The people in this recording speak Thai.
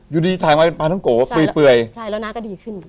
อยู่ดีถ่ายมาเป็นปลาท้องโกะเปื่อยใช่แล้วน้าก็ดีขึ้น